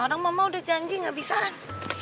orang mama udah janji gak bisa kan